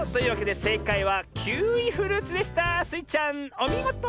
おみごと！